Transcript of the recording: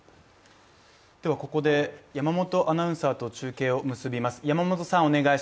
ここで山本アナウンサーと中継を結びます。